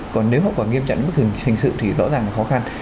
còn nếu họ có nghiêm trọng mức hình sự thì rõ ràng là khó khăn